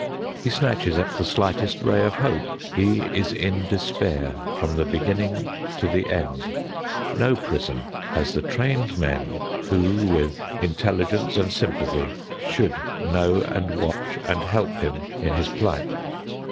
He snatches at the slightest ray of hope. He is in despair from the beginning to the end. No prison has the trained men who, with intelligence and sympathy, should know and watch and help him in his plight.